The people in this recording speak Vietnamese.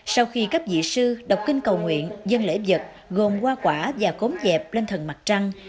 sau khi các dị sư đọc kinh cầu nguyện dân lễ dật gồm hoa quả và cốm dẹp lên thần mặt trăng